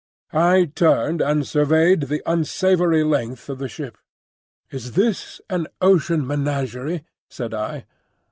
I turned and surveyed the unsavoury length of the ship. "Is this an ocean menagerie?" said I.